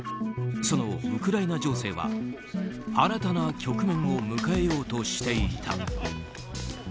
そのウクライナ情勢は新たな局面を迎えようとしていた。